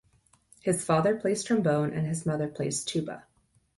His father plays trombone and his mother plays tuba.